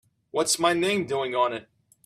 What's my name doing on it?